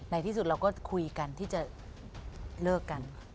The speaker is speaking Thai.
ในที่สุดเราก็คุยกันที่จะเลิกกัน